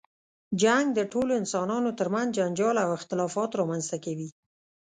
جنګ د ټولو انسانانو تر منځ جنجال او اختلافات رامنځته کوي.